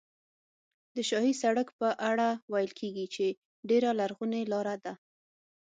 د شاهي سړک په اړه ویل کېږي چې ډېره لرغونې لاره ده.